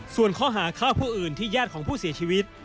ส่วนข้อหาฆ่าผู้อื่นที่ญาติของผู้เสียชีวิต